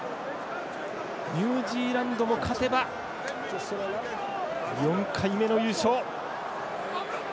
ニュージーランドも勝てば４回目の優勝。